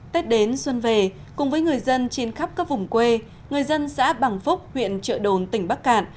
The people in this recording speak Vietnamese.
tết đến xuân về cùng với người dân trên khắp các vùng quê người dân xã bằng phúc huyện trợ đồn tỉnh bắc cạn